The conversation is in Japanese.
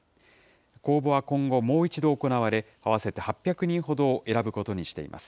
公募は今後、もう一度行われ、合わせて８００人ほどを選ぶことにしています。